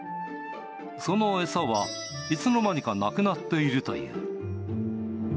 その餌は、いつの間にかなくなっているという。